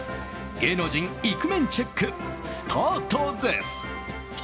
芸能人イクメンチェックスタートです。